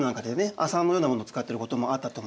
麻のようなものを使ってることもあったと思います。